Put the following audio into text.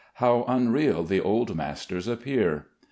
How unreal the old masters appear!